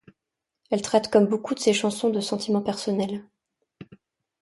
Elle traite comme beaucoup de ses chansons de sentiments personnels.